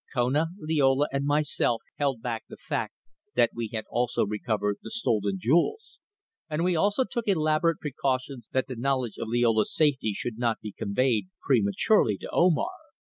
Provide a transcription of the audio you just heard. Kona, Liola and myself held back the fact that we had also recovered the stolen jewels, and we also took elaborate precautions that the knowledge of Liola's safety should not be conveyed prematurely to Omar.